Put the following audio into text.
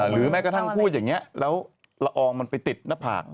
แม้กระทั่งพูดอย่างนี้แล้วละอองมันไปติดหน้าผาก